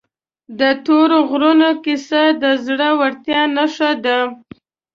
د تورې غرونو کیسه د زړه ورتیا نښه ده.